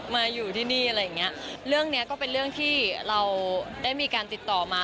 มาอยู่ที่นี่อะไรอย่างเงี้ยเรื่องเนี้ยก็เป็นเรื่องที่เราได้มีการติดต่อมา